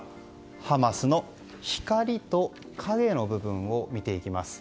ハマスの光と影の部分を見ていきます。